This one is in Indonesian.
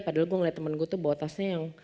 padahal gue liat temen gue tuh bawa tasnya yang